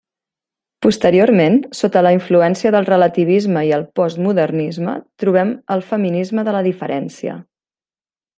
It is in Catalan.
Posteriorment, sota la influència del relativisme i el postmodernisme trobem el feminisme de la diferència.